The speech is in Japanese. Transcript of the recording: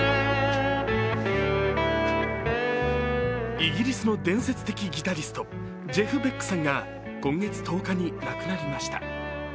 イギリスの伝説的ギタリストジェフ・ベックさんが今月１０日に亡くなりました。